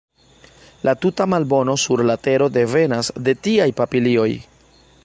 La tuta malbono sur la tero devenas de tiaj papilioj!